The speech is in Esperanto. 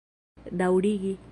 daŭrigi